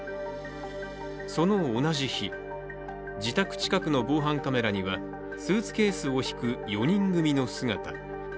その同じ日、自宅近くの防犯カメラにはスーツケースを引く４人組の姿。